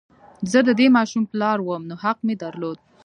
زه د دې ماشوم پلار وم نو حق مې درلود